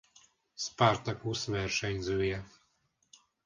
Spartacus versenyzője.